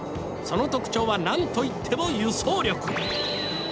その特徴は何といっても輸送力。